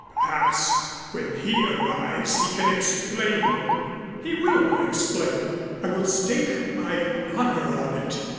Perhaps when he arrives he can explain them." "He will explain. I will stake my honor on it."